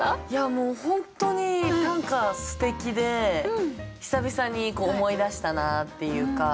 もう本当に短歌すてきで久々に思い出したなっていうか。